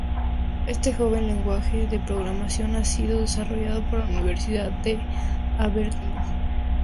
Este joven lenguaje de programación ha sido desarrollado por la Universidad de Aberdeen.